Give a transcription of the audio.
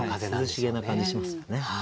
涼しげな感じしますよね。